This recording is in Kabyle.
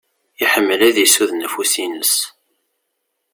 Iḥemmel ad isuden afus-ines.